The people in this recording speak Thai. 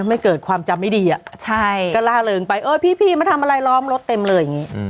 ไม่เกิดความจำไม่ดีอ่ะใช่ก็ล่าเริงไปเออพี่มาทำอะไรล้อมรถเต็มเลยอย่างนี้